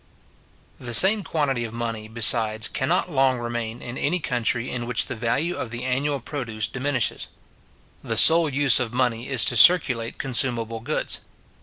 The same quantity of money, besides, can not long remain in any country in which the value of the annual produce diminishes. The sole use of money is to circulate consumable goods.